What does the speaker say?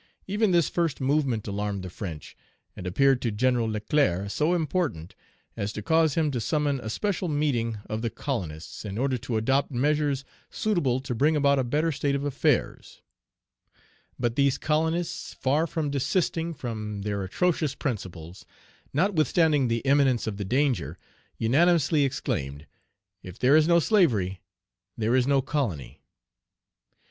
Even this first movement alarmed the French, and appeared to General Leclerc so important as to cause him to summon a special meeting of the colonists, in order to adopt measures suitable to bring about a better state of affairs; but these colonists, far from desisting from their atrocious principles, notwithstanding the imminence of the danger, unanimously exclaimed, 'If there is no slavery, there is no colony!'